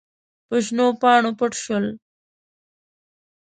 په شنو پاڼو پټ شول.